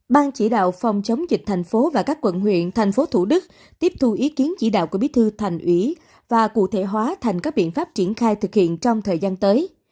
ban chỉ đạo phòng chống dịch thành phố và các quận huyện thành phố thủ đức tiếp thu ý kiến chỉ đạo của bí thư thành ủy và cụ thể hóa thành các biện pháp triển khai thực hiện trong thời gian tới